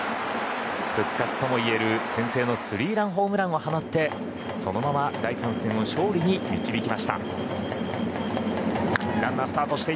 復活ともいえる先制のスリーランホームランを放ってそのまま第３戦を勝利に導きました。